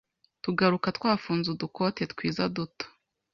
tugaruka twafunze udukote twiza duto